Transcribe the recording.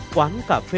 quán cà phê